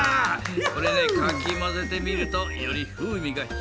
これねかき混ぜてみるとより風味が引き立つぜ。